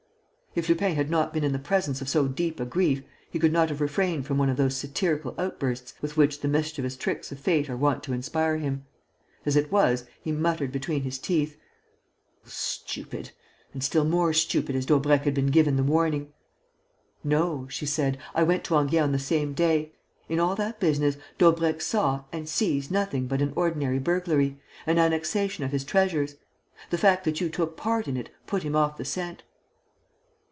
If Lupin had not been in the presence of so deep a grief, he could not have refrained from one of those satirical outbursts with which the mischievous tricks of fate are wont to inspire him. As it was, he muttered between his teeth: "How stupid! And still more stupid as Daubrecq had been given the warning." "No," she said. "I went to Enghien on the same day. In all that business Daubrecq saw and sees nothing but an ordinary burglary, an annexation of his treasures. The fact that you took part in it put him off the scent."